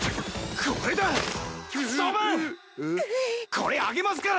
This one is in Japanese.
これあげますから！